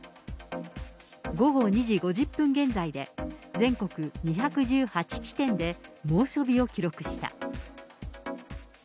午後２時５０分現在で、全国２１８地点で猛暑日を記録した。